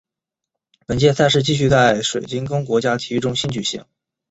本届赛事继续在水晶宫国家体育中心举行。